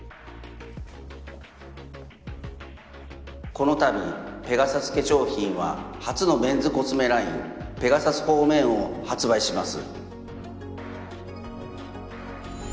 このたびペガサス化粧品は初のメンズコスメラインペガサス・フォー・メンを発売します。